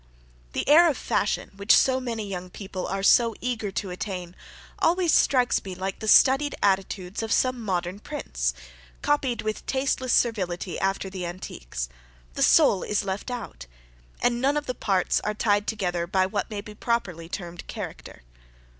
The air of fashion, which many young people are so eager to attain, always strikes me like the studied attitudes of some modern prints, copied with tasteless servility after the antiques; the soul is left out, and none of the parts are tied together by what may properly be termed character.